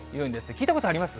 聞いたことあります？